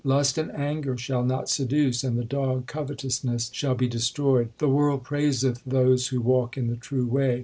Lust and anger shall not seduce, and the dog covetous ness shall be destroyed. The world praiseth those who walk in the true way.